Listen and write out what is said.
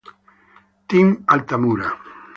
Team Altamura".